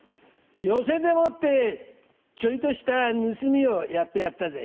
寄席でもってちょいとした盗みをやってやったぜ。